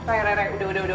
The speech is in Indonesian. fahy reh reh udah udah udah